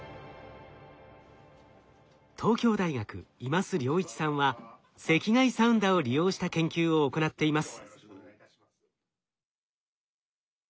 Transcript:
東京大学今須良一さんは赤外サウンダを利用した研究を行っています。